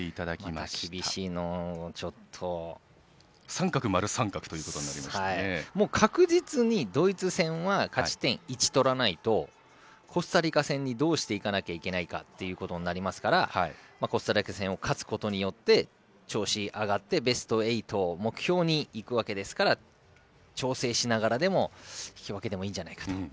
では、その１次リーグの勝敗予想を確実にドイツ戦は勝ち点を１を取らないとコスタリカ戦にどうしていかないといけないかということになりますからコスタリカ戦を勝つことによって調子が上がってベスト８を目標にいくわけで調整しながらでも引き分けでもいいんじゃないかと。